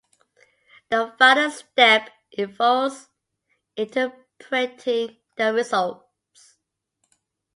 The final step involves interpreting the results.